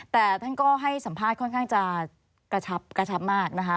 แต่ท่านก็ให้สัมภาษณ์ค่อนข้างจะกระชับมากนะคะ